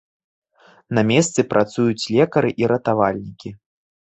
На месцы працуюць лекары і ратавальнікі.